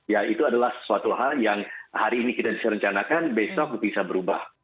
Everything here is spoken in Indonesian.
ya itu adalah sesuatu hal yang hari ini kita bisa rencanakan besok bisa berubah